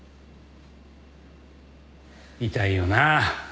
痛いよな。